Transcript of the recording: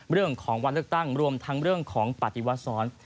เรื่องของวันเลือกตั้งรวมทั้งเรื่องของปฏิวัติซ้อน